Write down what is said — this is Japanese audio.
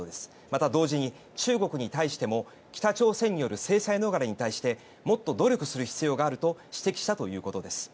また、同時に中国に対しても北朝鮮による制裁逃れに対してもっと努力する必要があると指摘したということです。